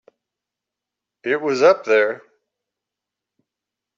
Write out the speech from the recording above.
It was up there.